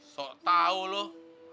sok tau loh